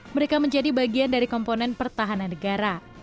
mereka menjadi bagian dari komponen pertahanan negara